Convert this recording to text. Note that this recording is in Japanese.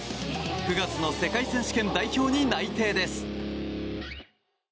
９月の世界選手権代表に内定です。